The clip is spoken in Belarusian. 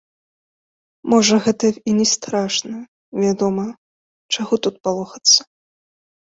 Можа, гэта і не страшна, вядома, чаго тут палохацца?